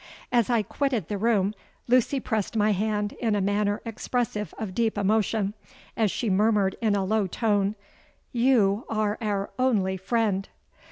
As I quitted the room, Lucy pressed my hand in a manner expressive of deep emotion, as she murmured in a low tone, 'You are our only friend!'